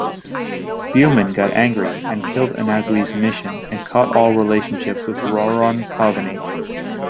Bumin got angry and killed Anagui's mission and cut all relationship with Rouran Khaganate.